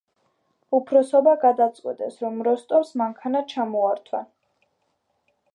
უფროსობა გადაწყვეტს, რომ როსტომს მანქანა ჩამოართვან.